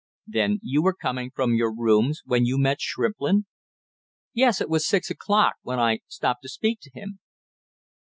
"Then you were coming from your rooms when you met Shrimplin?" "Yes, it was just six o'clock when I stopped to speak to him."